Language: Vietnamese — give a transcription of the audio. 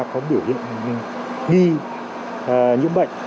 có biểu hiện nghi nhiễm bệnh